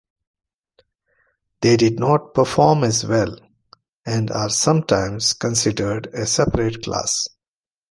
They did not perform as well, and are sometimes considered a separate class.